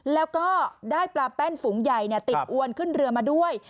แล้วก็ได้ปลาแป้นฝูงใหญ่ติดอวนขึ้นเรือมาด้วย